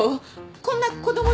こんな子供と！？